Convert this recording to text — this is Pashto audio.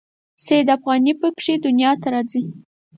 سید افغاني په کې دنیا ته راځي.